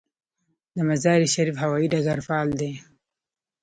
د مزار شریف هوايي ډګر فعال دی